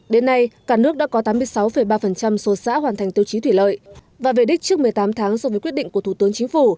đến nay cả nước đã có tám mươi sáu ba số xã hoàn thành tiêu chí thủy lợi và về đích trước một mươi tám tháng so với quyết định của thủ tướng chính phủ